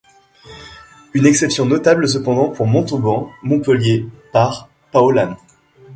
Une exception notable cependant pour Montauban – Montpellier par Paulhan.